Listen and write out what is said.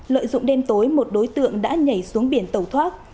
lợi dụng đêm tối một đối tượng đã nhảy xuống biển tẩu thoát